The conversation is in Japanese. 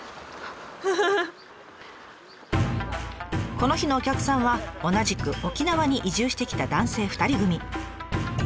この日のお客さんは同じく沖縄に移住してきた男性２人組。